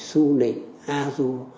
xu lĩnh a du